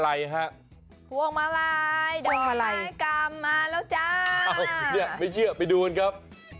เอ้าเหี้ยไม่เชื่อไปดูกันครับ